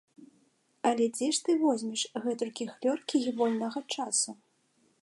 Але дзе ж ты возьмеш гэтулькі хлёркі й вольнага часу.